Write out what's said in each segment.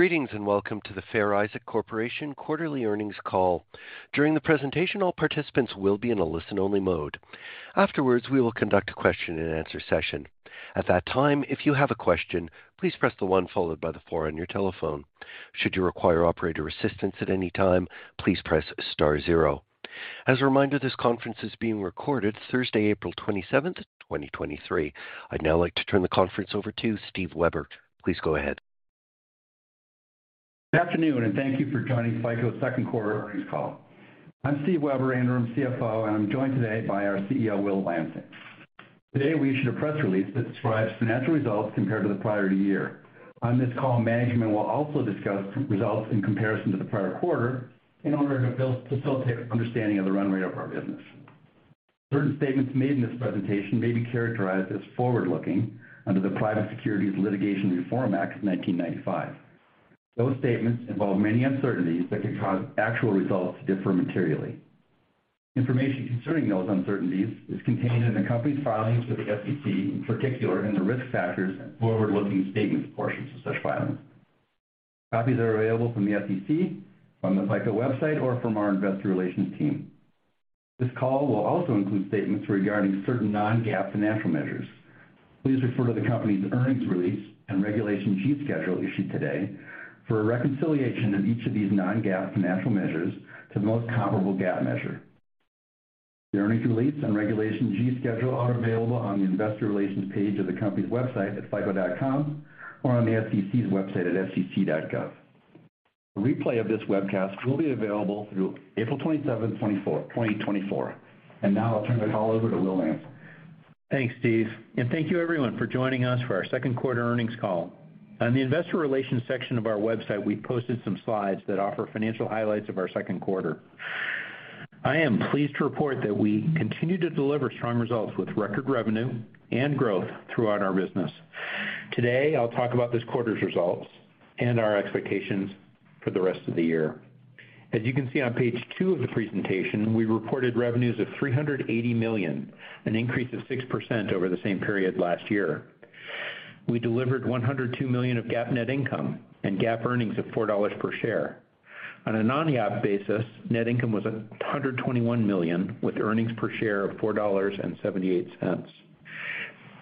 Greetings, and welcome to the Fair Isaac Corporation quarterly earnings call. During the presentation, all participants will be in a listen-only mode. Afterwards, we will conduct a question-and-answer session. At that time, if you have a question, please press the one followed by the four on your telephone. Should you require operator assistance at any time, please press star zero. As a reminder, this conference is being recorded Thursday, April 27th, 2023. I'd now like to turn the conference over to Steve Weber. Please go ahead. Good afternoon. Thank you for joining FICO second quarter earnings call. I'm Steve Weber, interim CFO, and I'm joined today by our CEO, Will Lansing. Today, we issued a press release that describes financial results compared to the prior year. On this call, management will also discuss results in comparison to the prior quarter in order to facilitate understanding of the run rate of our business. Certain statements made in this presentation may be characterized as forward-looking under the Private Securities Litigation Reform Act of 1995. Those statements involve many uncertainties that could cause actual results to differ materially. Information concerning those uncertainties is contained in the company's filings with the SEC, in particular in the risk factors and forward-looking statements portions of such filings. Copies are available from the SEC, from the FICO website, or from our Investor Relations team. This call will also include statements regarding certain non-GAAP financial measures. Please refer to the company's earnings release and Regulation G schedule issued today for a reconciliation of each of these non-GAAP financial measures to the most comparable GAAP measure. The earnings release and Regulation G schedule are available on the Investor Relations page of the company's website at fico.com or on the SEC's website at sec.gov. A replay of this webcast will be available through April 27th, 2024. Now I'll turn the call over to Will Lansing. Thanks, Steve, thank you everyone for joining us for our second quarter earnings call. On the Investor Relations section of our website, we posted some slides that offer financial highlights of our second quarter. I am pleased to report that we continue to deliver strong results with record revenue and growth throughout our business. Today, I'll talk about this quarter's results and our expectations for the rest of the year. As you can see on page two of the presentation, we reported revenues of $380 million, an increase of 6% over the same period last year. We delivered $102 million of GAAP net income and GAAP earnings of $4 per share. On a non-GAAP basis, net income was $121 million, with earnings per share of $4.78.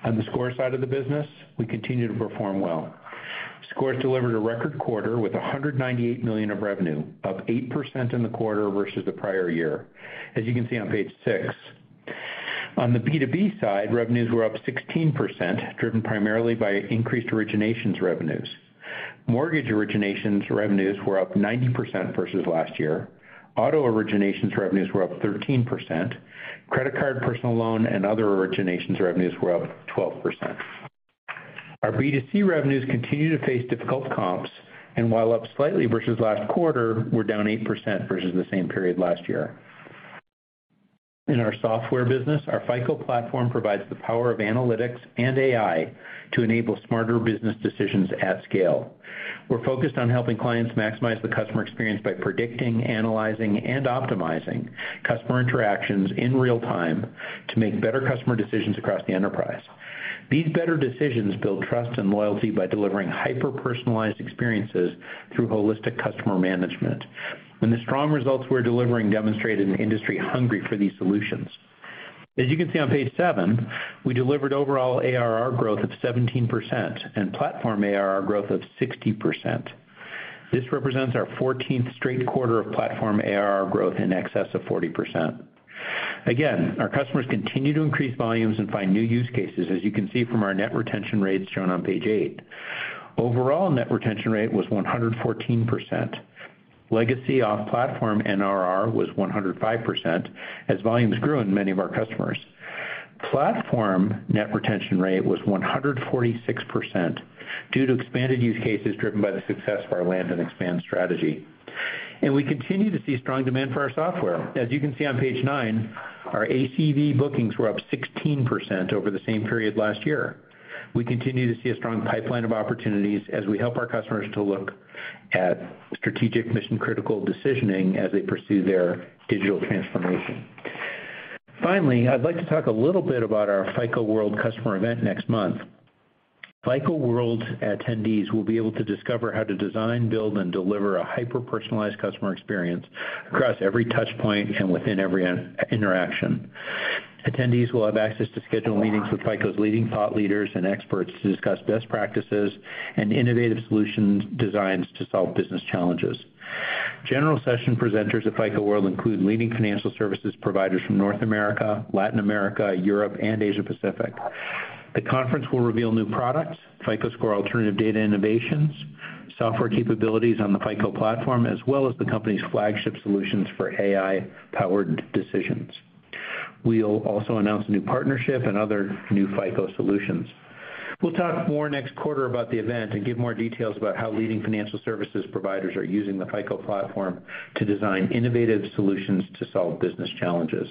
On the score side of the business, we continue to perform well. Scores delivered a record quarter with $198 million of revenue, up 8% in the quarter versus the prior year, as you can see on page six. On the B2B side, revenues were up 16%, driven primarily by increased originations revenues. Mortgage originations revenues were up 90% versus last year. Auto originations revenues were up 13%. Credit card, personal loan, and other originations revenues were up 12%. Our B2C revenues continue to face difficult comps, and while up slightly versus last quarter, were down 8% versus the same period last year. In our software business, our FICO Platform provides the power of analytics and AI to enable smarter business decisions at scale. We're focused on helping clients maximize the customer experience by predicting, analyzing, and optimizing customer interactions in real time to make better customer decisions across the enterprise. These better decisions build trust and loyalty by delivering hyper-personalized experiences through holistic customer management. The strong results we're delivering demonstrated an industry hungry for these solutions. As you can see on page seven, we delivered overall ARR growth of 17% and platform ARR growth of 60%. This represents our 14th straight quarter of platform ARR growth in excess of 40%. Again, our customers continue to increase volumes and find new use cases, as you can see from our net retention rates shown on page eight. Overall net retention rate was 114%. Legacy off-platform NRR was 105% as volumes grew in many of our customers. Platform net retention rate was 146% due to expanded use cases driven by the success of our land and expand strategy. We continue to see strong demand for our software. As you can see on page nine, our ACV bookings were up 16% over the same period last year. We continue to see a strong pipeline of opportunities as we help our customers to look at strategic mission-critical decisioning as they pursue their digital transformation. Finally, I'd like to talk a little bit about our FICO World customer event next month. FICO World attendees will be able to discover how to design, build, and deliver a hyper-personalized customer experience across every touch point and within every interaction. Attendees will have access to schedule meetings with FICO's leading thought leaders and experts to discuss best practices and innovative solutions designed to solve business challenges. General session presenters at FICO World include leading financial services providers from North America, Latin America, Europe, and Asia Pacific. The conference will reveal new products, FICO Score alternative data innovations, software capabilities on the FICO Platform, as well as the company's flagship solutions for AI-powered decisions. We'll also announce a new partnership and other new FICO solutions. We'll talk more next quarter about the event and give more details about how leading financial services providers are using the FICO Platform to design innovative solutions to solve business challenges.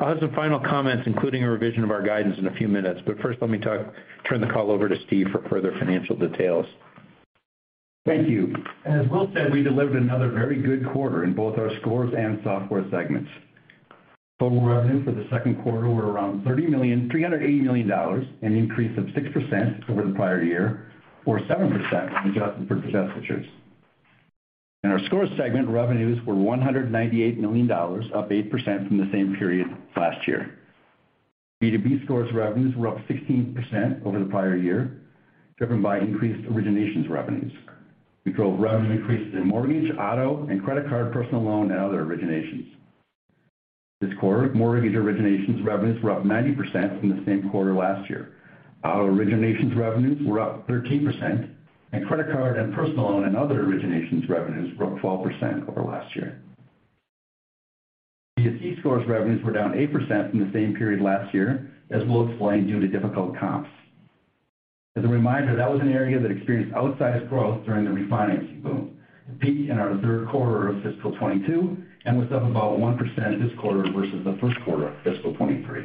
I'll have some final comments, including a revision of our guidance in a few minutes, but first let me turn the call over to Steve for further financial details. Thank you. As Will said, we delivered another very good quarter in both our Scores and software segments. Total revenue for the second quarter were around $380 million, an increase of 6% over the prior year, or 7% when adjusted for divestitures. In our Scores segment, revenues were $198 million, up 8% from the same period last year. B2B Scores revenues were up 16% over the prior year, driven by increased originations revenues. We drove revenue increases in mortgage, auto, and credit card, personal loan, and other originations. This quarter, mortgage originations revenues were up 90% from the same quarter last year. Our originations revenues were up 13%, and credit card and personal loan and other originations revenues were up 12% over last year. B2C Scores revenues were down 8% from the same period last year, as we'll explain, due to difficult comps. As a reminder, that was an area that experienced outsized growth during the refinancing boom. It peaked in our third quarter of fiscal year 2022 and was up about 1% this quarter versus the first quarter of fiscal year 2023.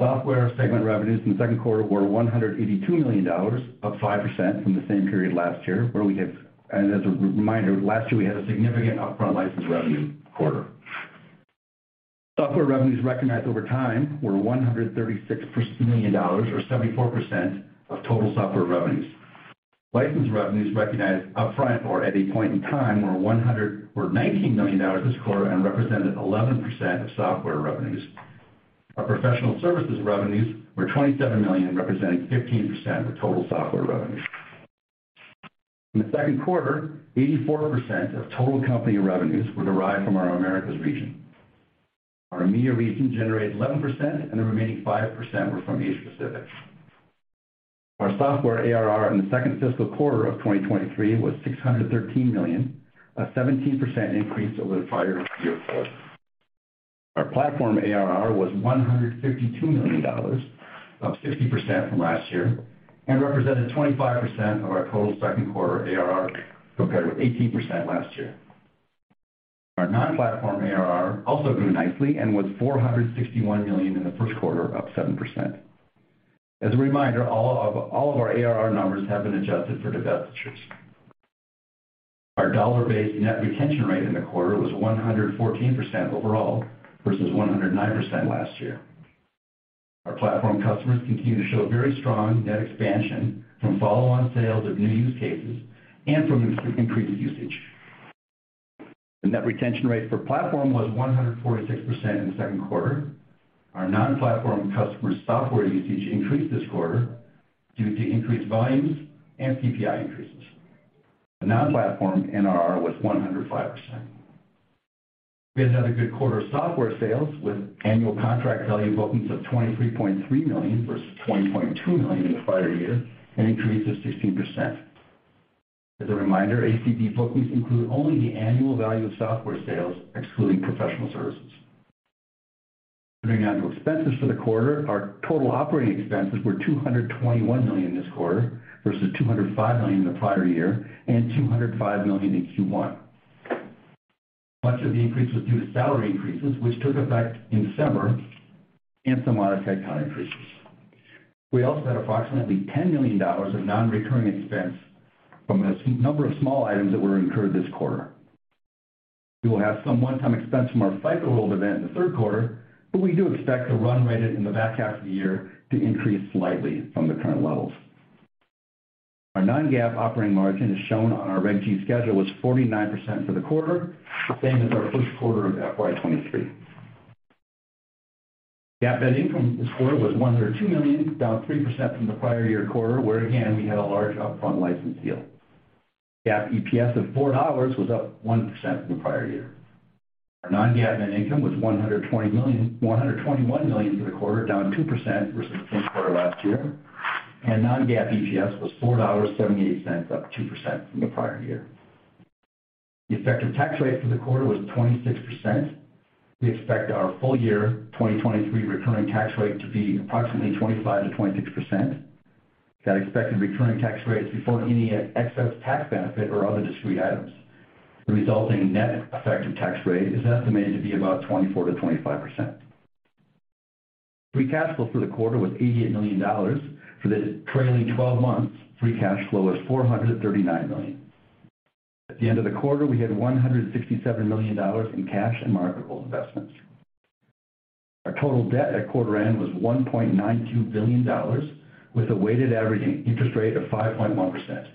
Software segment revenues in the second quarter were $182 million, up 5% from the same period last year, where we had and as a reminder, last year we had a significant upfront license revenue quarter. Software revenues recognized over time were $136 million or 74% of total software revenues. License revenues recognized upfront or at a point in time were $19 million this quarter and represented 11% of software revenues. Our professional services revenues were $27 million, representing 15% of total software revenue. In the second quarter, 84% of total company revenues were derived from our Americas region. Our EMEA region generated 11% and the remaining 5% were from Asia Pacific. Our software ARR in the second fiscal quarter of 2023 was $613 million, a 17% increase over the prior year quarter. Our Platform ARR was $152 million, up 50% from last year, and represented 25% of our total second quarter ARR, compared with 18% last year. Our non-platform ARR also grew nicely and was $461 million in the first quarter, up 7%. As a reminder, all of our ARR numbers have been adjusted for divestitures. Our dollar-based net retention rate in the quarter was 114% overall, versus 109% last year. Our Platform customers continue to show very strong net expansion from follow-on sales of new use cases and from increased usage. The net retention rate for platform was 146% in the second quarter. Our non-platform customers' software usage increased this quarter due to increased volumes and PPI increases. The non-platform NRR was 105%. We had another good quarter of software sales with annual contract value bookings of $23.3 million versus $20.2 million in the prior year, an increase of 16%. As a reminder, ACV bookings include only the annual value of software sales, excluding professional services. Turning now to expenses for the quarter, our total operating expenses were $221 million this quarter versus $205 million in the prior year and $205 million in Q1. Much of the increase was due to salary increases, which took effect in December, and some other type time increases. We also had approximately $10 million of non-recurring expense from a number of small items that were incurred this quarter. We will have some one-time expense from our FICO World event in the third quarter, but we do expect the run rate in the back half of the year to increase slightly from the current levels. Our non-GAAP operating margin, as shown on our Reg G schedule, was 49% for the quarter, same as our first quarter of FY 2023. GAAP net income this quarter was $102 million, down 3% from the prior year quarter where, again, we had a large upfront license deal. GAAP EPS of $4 was up 1% from the prior year. Our non-GAAP net income was $121 million for the quarter, down 2% versus the same quarter last year. Non-GAAP EPS was $4.78, up 2% from the prior year. The effective tax rate for the quarter was 26%. We expect our full-year 2023 recurring tax rate to be approximately 25%-26%. That expected recurring tax rate is before any e-excess tax benefit or other discrete items. The resulting net effective tax rate is estimated to be about 24%-25%. Free cash flow for the quarter was $88 million. For the trailing 12 months, free cash flow was $439 million. At the end of the quarter, we had $167 million in cash and marketable investments. Our total debt at quarter end was $1.92 billion, with a weighted average interest rate of 5.1%.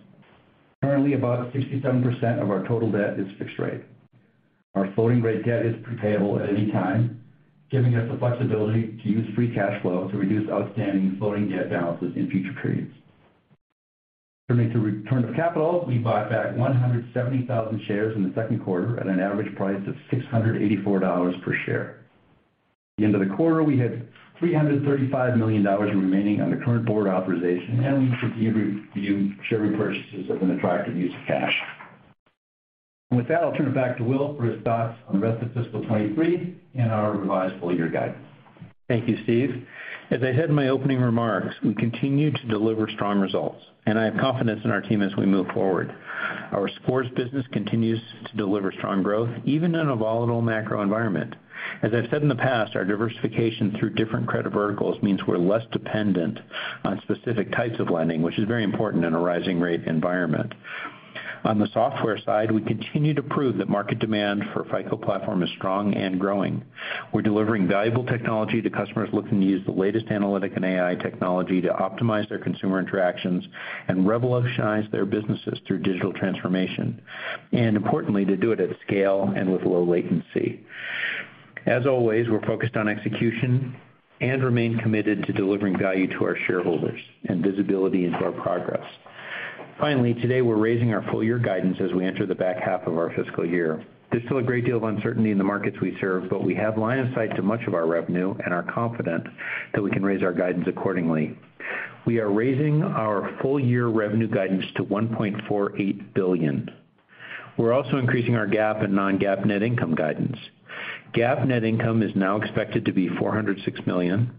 Currently, about 67% of our total debt is fixed rate. Our floating rate debt is payable at any time, giving us the flexibility to use free cash flow to reduce outstanding floating debt balances in future periods. Turning to return of capital, we bought back 170,000 shares in the second quarter at an average price of $684 per share. At the end of the quarter, we had $335 million remaining on the current board authorization and we continue to view share repurchases as an attractive use of cash. With that, I'll turn it back to Will for his thoughts on the rest of fiscal year 2023 and our revised full-year guidance. Thank you, Steve. As I said in my opening remarks, we continue to deliver strong results, and I have confidence in our team as we move forward. Our Scores business continues to deliver strong growth, even in a volatile macro environment. As I've said in the past, our diversification through different credit verticals means we're less dependent on specific types of lending, which is very important in a rising rate environment. On the software side, we continue to prove that market demand for FICO Platform is strong and growing. We're delivering valuable technology to customers looking to use the latest analytic and AI technology to optimize their consumer interactions and revolutionize their businesses through digital transformation, and importantly, to do it at scale and with low latency. As always, we're focused on execution and remain committed to delivering value to our shareholders and visibility into our progress. Finally, today, we're raising our full-year guidance as we enter the back half of our fiscal year. There's still a great deal of uncertainty in the markets we serve, but we have line of sight to much of our revenue and are confident that we can raise our guidance accordingly. We are raising our full-year revenue guidance to $1.48 billion. We're also increasing our GAAP and non-GAAP net income guidance. GAAP net income is now expected to be $406 million.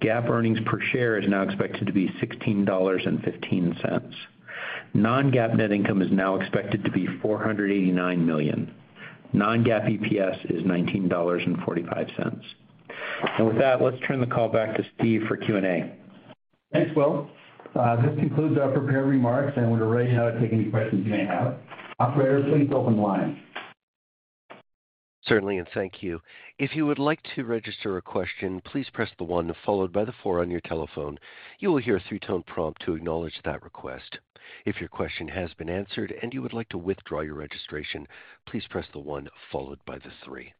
GAAP earnings per share is now expected to be $16.15. Non-GAAP net income is now expected to be $489 million. Non-GAAP EPS is $19.45. With that, let's turn the call back to Steve for Q&A. Thanks, Will. This concludes our prepared remarks, and we're ready now to take any questions you may have. Operator, please open the line. Certainly, and thank you. If you would like to register a question, please press the one followed by the four on your telephone. You will hear a three-tone prompt to acknowledge that request. If your question has been answered and you would like to withdraw your registration, please press the one followed by the three.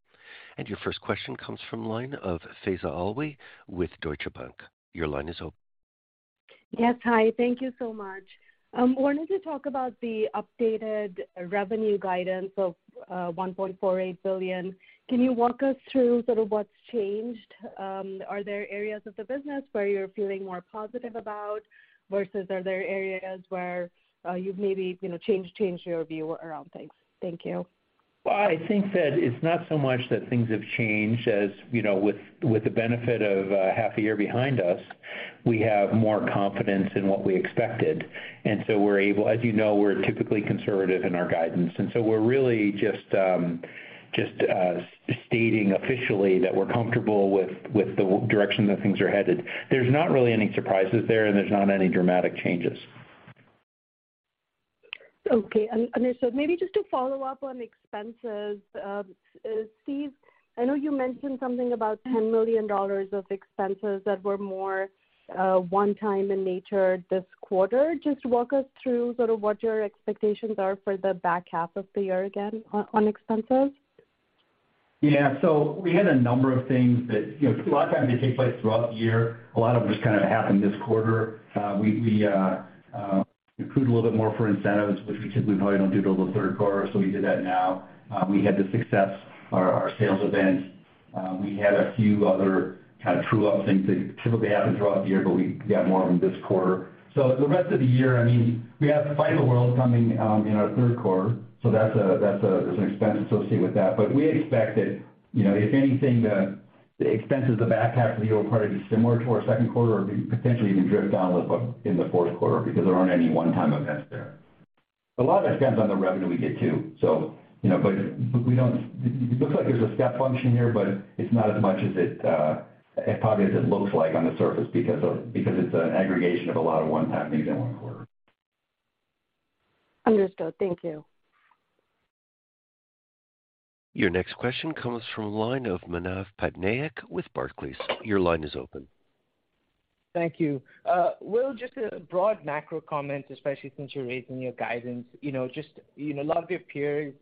Your first question comes from line of Faiza Alwy with Deutsche Bank. Your line is open. Yes. Hi. Thank you so much. Wanted to talk about the updated revenue guidance of $1.48 billion. Can you walk us through sort of what's changed? Are there areas of the business where you're feeling more positive about versus are there areas where you've maybe, you know, changed your view around things? Thank you. Well, I think that it's not so much that things have changed as, you know, with the benefit of half a year behind us, we have more confidence in what we expected. As you know, we're typically conservative in our guidance, and so we're really just stating officially that we're comfortable with the direction that things are headed. There's not really any surprises there, and there's not any dramatic changes. Okay. Understood. Maybe just to follow up on expenses, Steve, I know you mentioned something about $10 million of expenses that were more one-time in nature this quarter. Just walk us through sort of what your expectations are for the back half of the year again on expenses. Yeah. We had a number of things that, you know, a lot of times they take place throughout the year. A lot of them just kind of happened this quarter. We accrued a little bit more for incentives, which we typically probably don't do till the third quarter, so we did that now. We had the success, our sales events. We had a few other kind of true-up things that typically happen throughout the year, but we got more of them this quarter. The rest of the year, I mean, we have FICO World coming in our third quarter, so that's there's an expense associated with that. We expect that, you know, if anything, the expenses in the back half of the year will probably be similar to our second quarter or potentially even drift down a little bit in the fourth quarter because there aren't any one-time events there. A lot of that depends on the revenue we get, too. You know, but we don't. It looks like there's a step function here, but it's not as much as it probably as it looks like on the surface because it's an aggregation of a lot of one-time things in one quarter. Understood. Thank you. Your next question comes from line of Manav Patnaik with Barclays. Your line is open. Thank you. Will, just a broad macro comment, especially since you're raising your guidance. You know, just, you know, a lot of your peers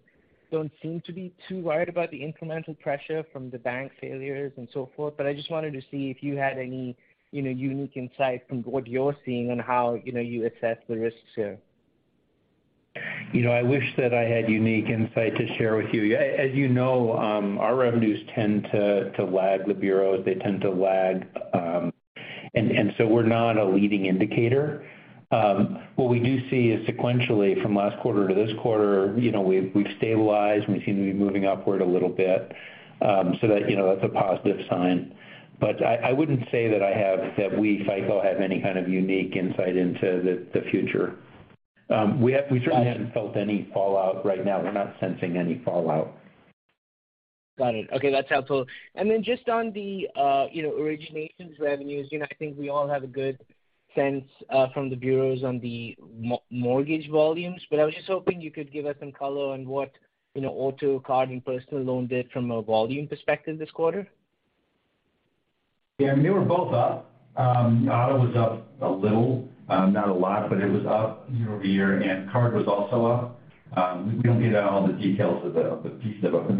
don't seem to be too worried about the incremental pressure from the bank failures and so forth, but I just wanted to see if you had any, you know, unique insight from what you're seeing on how, you know, you assess the risks here. You know, I wish that I had unique insight to share with you. As you know, our revenues tend to lag the bureaus. They tend to lag. We're not a leading indicator. What we do see is sequentially from last quarter to this quarter, you know, we've stabilized and we seem to be moving upward a little bit. That, you know, that's a positive sign. I wouldn't say that I have that we, FICO, have any kind of unique insight into the future. We have. Got it. We certainly haven't felt any fallout right now. We're not sensing any fallout. Got it. Okay, that's helpful. Just on the, you know, originations revenues, you know, I think we all have a good sense, from the bureaus on the mortgage volumes, but I was just hoping you could give us some color on what, you know, auto, card, and personal loan did from a volume perspective this quarter. Yeah. I mean, they were both up. Auto was up a little, not a lot, but it was up year-over-year. Card was also up. They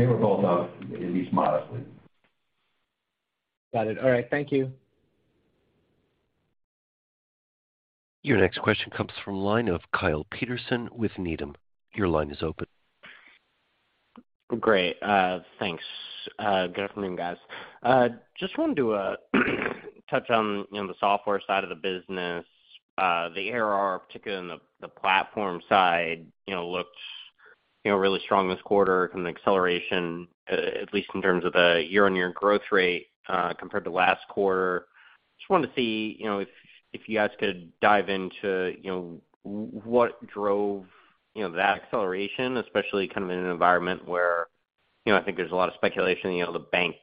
were both up, at least modestly. Got it. All right. Thank you. Your next question comes from line of Kyle Peterson with Needham & Company. Your line is open. Great. Thanks. Good afternoon, guys. Just wanted to touch on, you know, the software side of the business, the ARR, particularly on the platform side, you know, looks, you know, really strong this quarter from an acceleration, at least in terms of a year-on-year growth rate, compared to last quarter. Just wanted to see, you know, if you guys could dive into, you know, what drove, you know, that acceleration, especially kind of in an environment where, you know, I think there's a lot of speculation, you know, the bank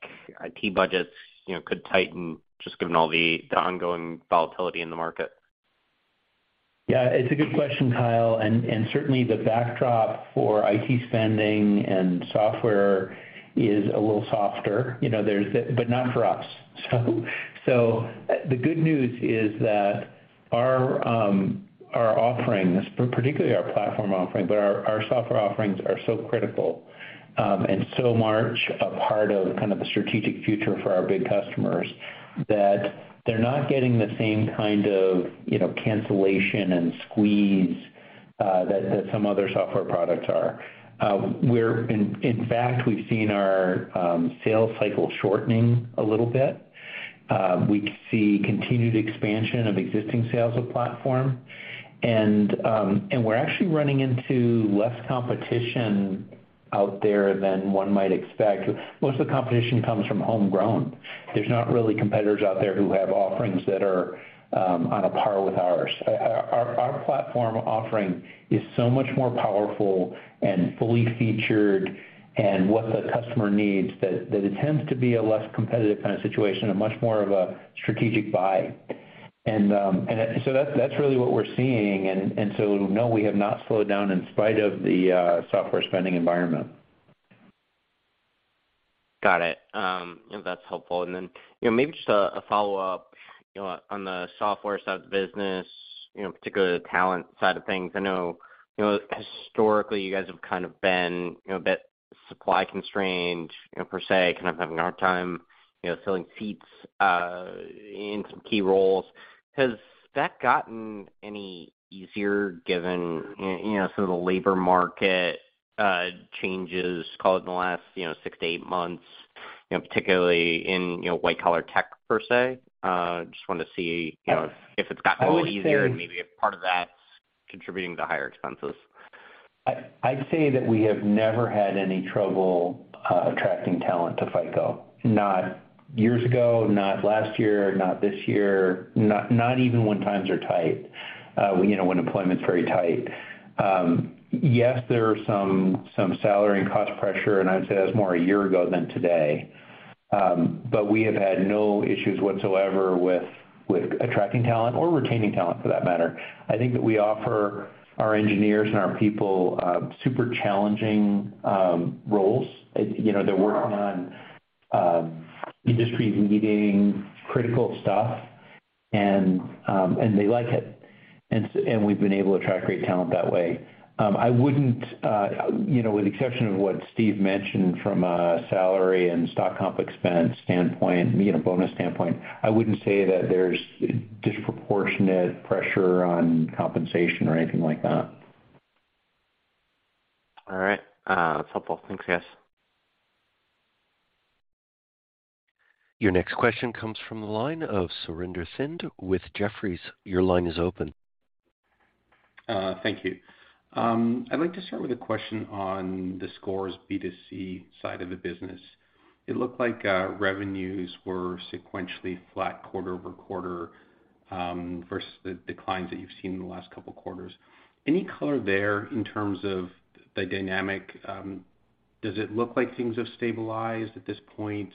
IT budgets, you know, could tighten just given all the ongoing volatility in the market. Yeah, it's a good question, Kyle, and certainly the backdrop for IT spending and software is a little softer. You know, but not for us. The good news is that our offerings, particularly our Platform offering, but our software offerings are so critical and so much a part of kind of the strategic future for our big customers that they're not getting the same kind of, you know, cancellation and squeeze that some other software products are. In fact, we've seen our sales cycle shortening a little bit. We see continued expansion of existing sales of Platform. We're actually running into less competition out there than one might expect. Most of the competition comes from homegrown. There's not really competitors out there who have offerings that are on a par with ours. Our platform offering is so much more powerful and fully featured and what the customer needs that it tends to be a less competitive kind of situation, a much more of a strategic buy. That's really what we're seeing. No, we have not slowed down in spite of the software spending environment. Got it. That's helpful. You know, maybe just a follow-up, you know, on the software side of the business, you know, particularly the talent side of things. I know, you know, historically, you guys have kind of been, you know, a bit supply constrained, you know, per se, kind of having a hard time, you know, filling seats in some key roles. Has that gotten any easier given, you know, some of the labor market changes, call it in the last, you know, six to eight months, you know, particularly in, you know, white collar tech per se? Just wanted to see, you know, if it's gotten any easier, and maybe if part of that's contributing to the higher expenses. I'd say that we have never had any trouble attracting talent to FICO. Not years ago, not last year, not this year, not even when times are tight, you know, when employment's very tight. Yes, there are some salary and cost pressure, and I'd say that's more a year ago than today. We have had no issues whatsoever with attracting talent or retaining talent for that matter. I think that we offer our engineers and our people super challenging roles. You know, they're working on industry-leading critical stuff, and they like it. We've been able to attract great talent that way. I wouldn't, you know, with the exception of what Steve mentioned from a salary and stock comp expense standpoint, you know, bonus standpoint, I wouldn't say that there's disproportionate pressure on compensation or anything like that. All right. That's helpful. Thanks, guys. Your next question comes from the line of Surinder Thind with Jefferies. Your line is open. Thank you. I'd like to start with a question on the Scores B2C side of the business. It looked like revenues were sequentially flat quarter-over-quarter versus the declines that you've seen in the last couple of quarters. Any color there in terms of the dynamic? Does it look like things have stabilized at this point?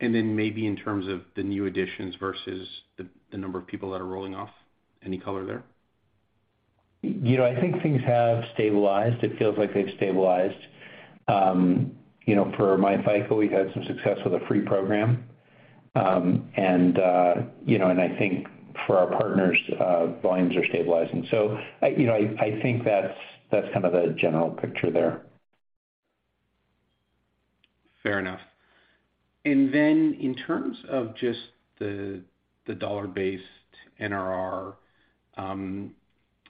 Then maybe in terms of the new additions versus the number of people that are rolling off. Any color there? You know, I think things have stabilized. It feels like they've stabilized. you know, for myFICO, we've had some success with the free program. you know, and I think for our partners, volumes are stabilizing. you know, I think that's kind of the general picture there. Fair enough. In terms of just the dollar-based NRR,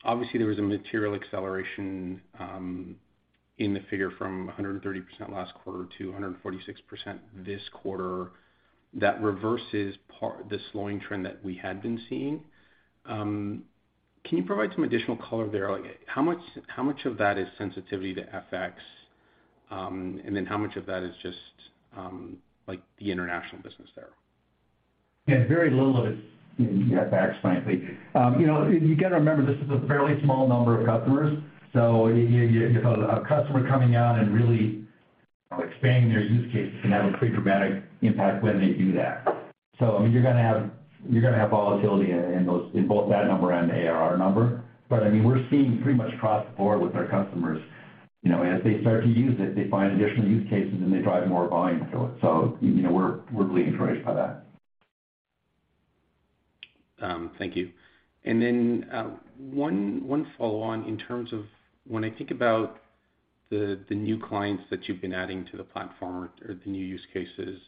obviously there was a material acceleration in the figure from 130% last quarter to 146% this quarter that reverses the slowing trend that we had been seeing. Can you provide some additional color there? Like how much of that is sensitivity to FX? How much of that is just like the international business there? Very little of it is FX, frankly. You know, you gotta remember this is a fairly small number of customers, so you know, a customer coming on and really expanding their use case can have a pretty dramatic impact when they do that. I mean, you're gonna have, you're gonna have volatility in both that number and the ARR number. I mean, we're seeing pretty much across the board with our customers, you know, as they start to use it, they find additional use cases, and they drive more volume to it. You know, we're really encouraged by that. Thank you. one follow-on in terms of when I think about the new clients that you've been adding to the FICO Platform or the new use cases,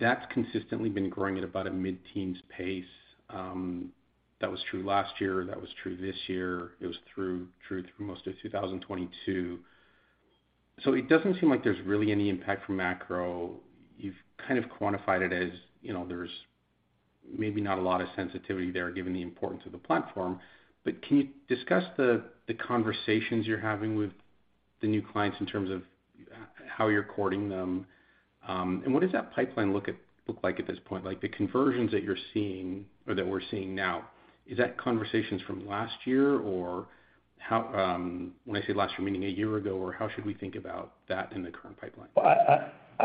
that's consistently been growing at about a mid-teens pace. That was true last year, that was true this year. It was true through most of 2022. It doesn't seem like there's really any impact from macro. You've kind of quantified it as, you know, there's maybe not a lot of sensitivity there given the importance of the FICO Platform. Can you discuss the conversations you're having with the new clients in terms of how you're courting them, what does that pipeline look like at this point? Like, the conversions that you're seeing or that we're seeing now, is that conversations from last year? How, when I say last year, meaning a year ago, or how should we think about that in the current pipeline?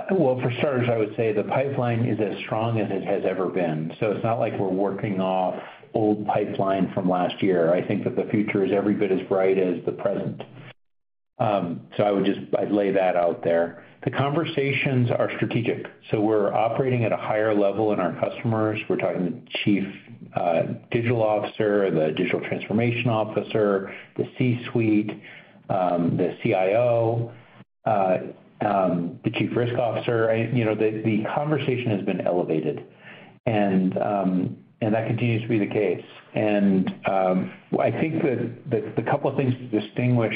For starters, I would say the pipeline is as strong as it has ever been. It's not like we're working off old pipeline from last year. I think that the future is every bit as bright as the present. I'd lay that out there. The conversations are strategic. We're operating at a higher level in our customers. We're talking to Chief Digital Officer, the Digital Transformation Officer, the C-suite, the CIO, the Chief Risk Officer. You know, the conversation has been elevated, and that continues to be the case. I think the couple of things to distinguish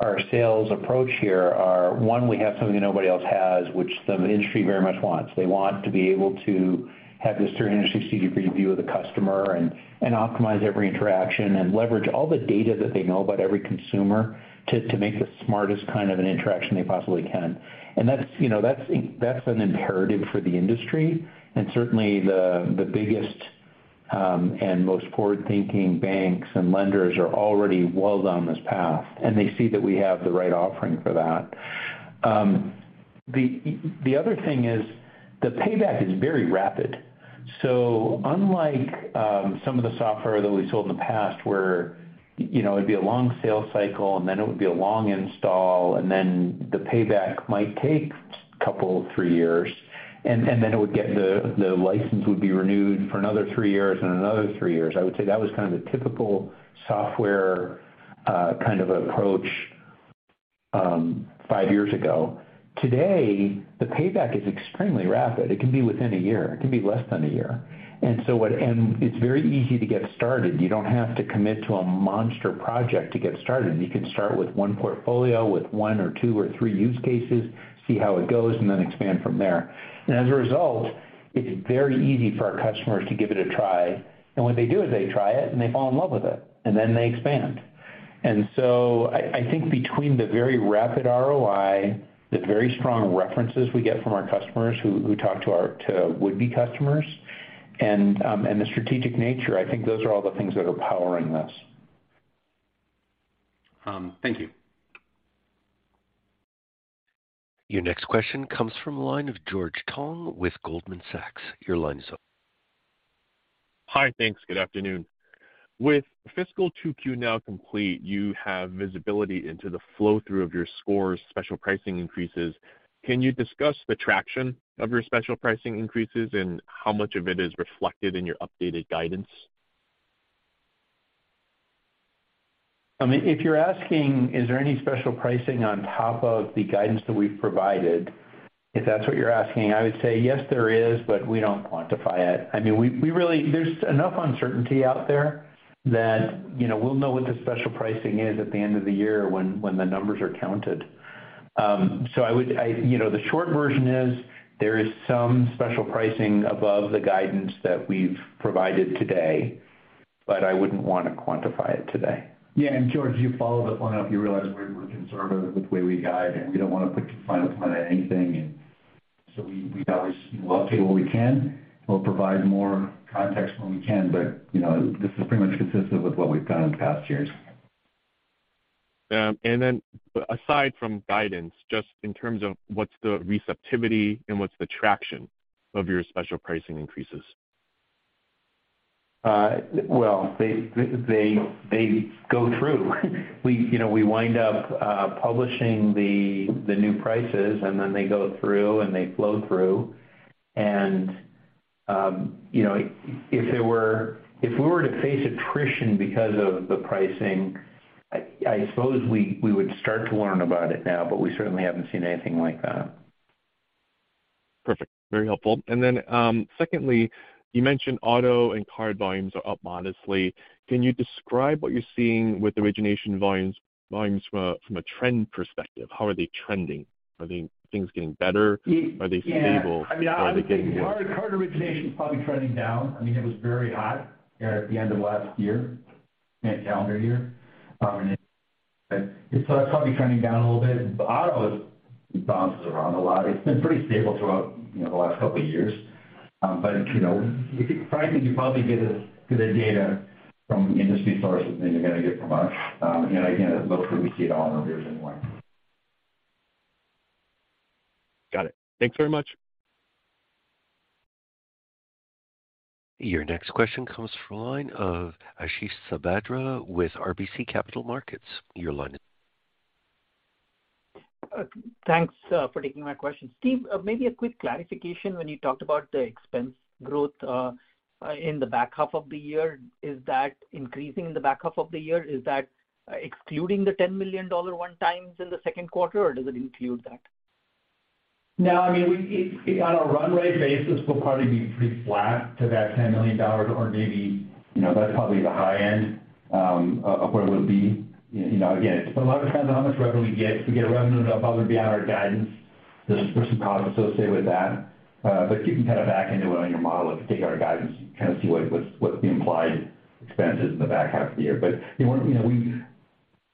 our sales approach here are, one, we have something that nobody else has, which the industry very much wants. They want to be able to have this 360 degree view of the customer and optimize every interaction and leverage all the data that they know about every consumer to make the smartest kind of an interaction they possibly can. That's, you know, that's an imperative for the industry and certainly the biggest and most forward-thinking banks and lenders are already well down this path. They see that we have the right offering for that. The other thing is the payback is very rapid. Unlike, some of the software that we sold in the past where, you know, it'd be a long sales cycle and then it would be a long install and then the payback might take a two, three years and then it would get the license would be renewed for another three years and another three years. I would say that was kind of the typical software, kind of approach, five years ago. Today, the payback is extremely rapid. It can be within a year, it can be less than a year. It's very easy to get started. You don't have to commit to a monster project to get started. You can start with one portfolio with one or two or three use cases, see how it goes, and then expand from there. As a result, it's very easy for our customers to give it a try. What they do is they try it, and they fall in love with it, and then they expand. I think between the very rapid ROI, the very strong references we get from our customers who talk to our would-be customers and the strategic nature, I think those are all the things that are powering this. Thank you. Your next question comes from the line of George Tong with Goldman Sachs. Your line is open. Hi. Thanks. Good afternoon. With fiscal year 2Q now complete, you have visibility into the flow-through of your scores, special pricing increases. Can you discuss the traction of your special pricing increases and how much of it is reflected in your updated guidance? I mean, if you're asking, is there any special pricing on top of the guidance that we've provided, if that's what you're asking, I would say, yes, there is. We don't quantify it. I mean, we really There's enough uncertainty out there that, you know, we'll know what the special pricing is at the end of the year when the numbers are counted. You know, the short version is there is some special pricing above the guidance that we've provided today, but I wouldn't want to quantify it today. Yeah, George, you follow the funnel, you realize we're conservative with the way we guide, and we don't want to put final point on anything. We always, you know, update what we can. We'll provide more context when we can, you know, this is pretty much consistent with what we've done in past years. Aside from guidance, just in terms of what's the receptivity and what's the traction of your special pricing increases? Well, they go through. We, you know, we wind up publishing the new prices and then they go through and they flow through. You know, if we were to face attrition because of the pricing, I suppose we would start to learn about it now, but we certainly haven't seen anything like that. Perfect. Very helpful. Secondly, you mentioned auto and card volumes are up modestly. Can you describe what you're seeing with origination volumes from a, from a trend perspective? How are they trending? Are things getting better? Yeah. Are they stable? I mean, obviously- Are they getting worse? -card origination is probably trending down. I mean, it was very hot there at the end of last year, that calendar year. It's probably trending down a little bit, auto bounces around a lot. It's been pretty stable throughout, you know, the last couple of years. You know, if you frankly, you probably get the data from industry sources than you're gonna get from us. Again, it looks like we see it all moving in one. Got it. Thanks very much. Your next question comes from line of Ashish Sabadra with RBC Capital Markets. Your line is open. Thanks for taking my question. Steve, maybe a quick clarification when you talked about the expense growth in the back half of the year. Is that increasing in the back half of the year? Is that excluding the $10 million one-times in the second quarter, or does it include that? No, I mean, on a run rate basis, we'll probably be pretty flat to that $10 million or maybe, you know, that's probably the high end of where it would be. You know, again, a lot of it depends on how much revenue we get. If we get revenue, that'll probably be on our guidance. There's some costs associated with that. You can kind of back into it on your model if you take our guidance and kind of see what's, what's the implied expenses in the back half of the year. You know, we, you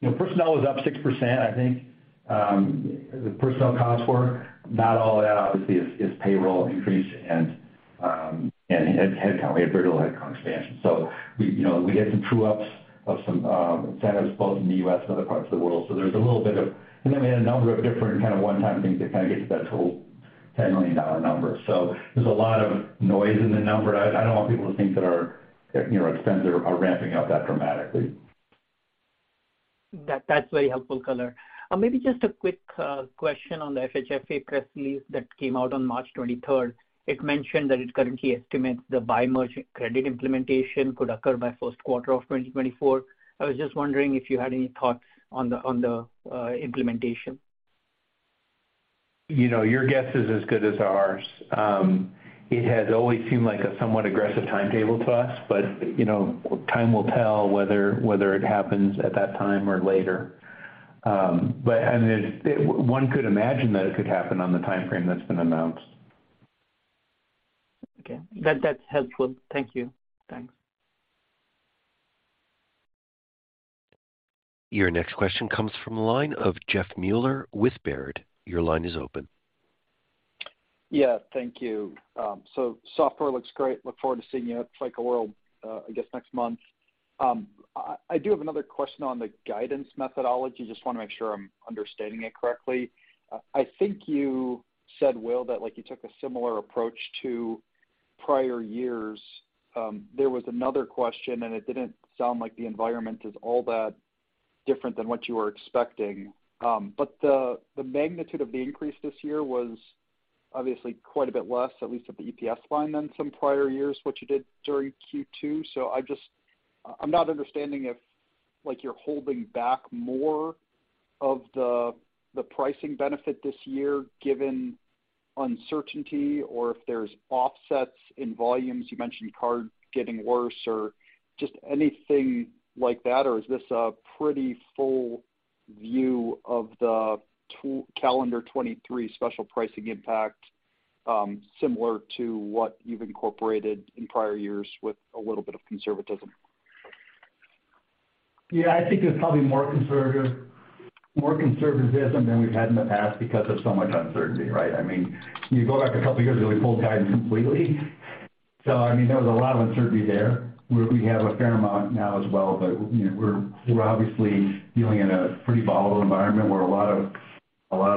know, personnel is up 6%, I think, the personnel costs were. Not all that obviously is payroll increase and head count. We had very little head count expansion. We, you know, we had some true ups of some incentives both in the U.S. and other parts of the world. There's a little bit of. We had a number of different kind of one-time things that kind of get to that total $10 million number. There's a lot of noise in the number. I don't want people to think that our, you know, our expenses are ramping up that dramatically. That's very helpful color. Maybe just a quick question on the FHFA press release that came out on March 23rd. It mentioned that it currently estimates the bi-merged credit implementation could occur by 1st quarter of 2024. I was just wondering if you had any thoughts on the implementation? You know, your guess is as good as ours. It has always seemed like a somewhat aggressive timetable to us. You know, time will tell whether it happens at that time or later. I mean, one could imagine that it could happen on the timeframe that's been announced. Okay. That, that's helpful. Thank you. Thanks. Your next question comes from the line of Jeff Meuler with Baird. Your line is open. Yeah. Thank you. Software looks great. Look forward to seeing you at FICO World, I guess next month. I do have another question on the guidance methodology. Just wanna make sure I'm understanding it correctly. I think you said, Will, that like you took a similar approach to prior years. There was another question, it didn't sound like the environment is all that different than what you were expecting. The magnitude of the increase this year was obviously quite a bit less, at least at the EPS line than some prior years, what you did during Q2. I just, I'm not understanding if like you're holding back more of the pricing benefit this year given uncertainty or if there's offsets in volumes. You mentioned card getting worse or just anything like that. Is this a pretty full view of the calendar 2023 special pricing impact, similar to what you've incorporated in prior years with a little bit of conservatism? Yeah. I think there's probably more conservatism than we've had in the past because of so much uncertainty, right? I mean, you go back a couple years and we pulled guidance completely. I mean, there was a lot of uncertainty there. We have a fair amount now as well, you know, we're obviously dealing in a pretty volatile environment where a lot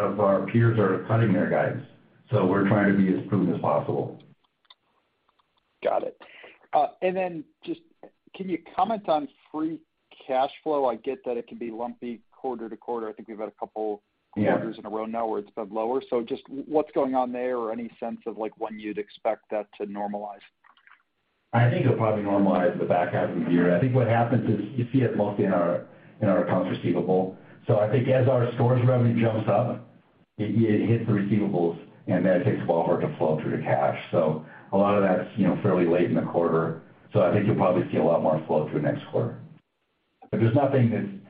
of our peers are cutting their guides. We're trying to be as prudent as possible. Got it. Just can you comment on free cash flow? I get that it can be lumpy quarter to quarter. I think we've had. Yeah. quarters in a row now where it's been lower. Just what's going on there or any sense of like when you'd expect that to normalize? I think it'll probably normalize the back half of the year. I think what happens is you see it mostly in our, in our accounts receivable. I think as our stores revenue jumps up, it hits the receivables, and then it takes a while for it to flow through to cash. A lot of that's, you know, fairly late in the quarter. I think you'll probably see a lot more flow through next quarter. But there's nothing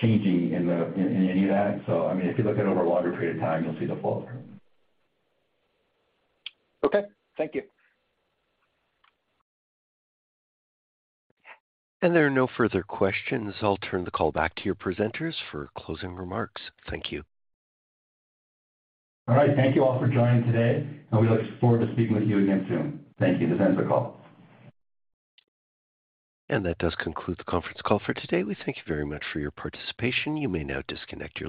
changing in any of that. I mean, if you look at it over a longer period of time, you'll see the flow through. Okay. Thank you. There are no further questions. I'll turn the call back to your presenters for closing remarks. Thank you. All right. Thank you all for joining today, and we look forward to speaking with you again soon. Thank you. This ends the call. That does conclude the conference call for today. We thank you very much for your participation. You may now disconnect your lines.